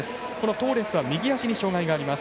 トーレスは右足に障がいがあります。